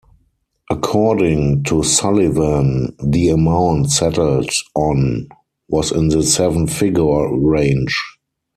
According to Sullivan, the amount settled on was in the seven-figure range.